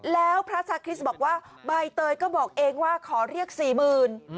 แล้วพระชาคริสต์บอกว่าใบเตยก็บอกเองว่าขอเรียกสี่หมื่น